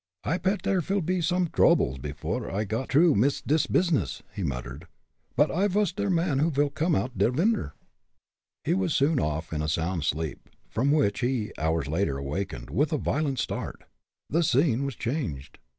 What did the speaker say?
"I'll pet der vil pe some droubles before I got t'rough mit dis pizness," he muttered, "but I vas der man who vil come oud der winner." He was soon off in a sound sleep, from which he, hours later, awakened, with a violent start. The scene was changed.